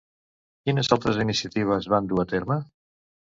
Quines altres iniciatives van dur a terme?